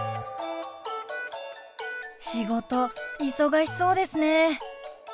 仕事忙しそうですね。